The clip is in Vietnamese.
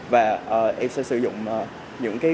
và tụi em sẽ sử dụng